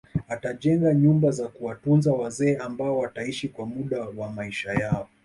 Atajenga nyumba za kuwatunza wazee ambao wataishi kwa muda wa maisha yao